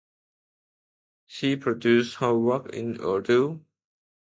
She produced her work in Urdu.